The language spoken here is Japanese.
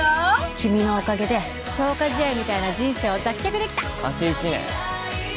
君のおかげで消化試合みたいな人生を脱却できた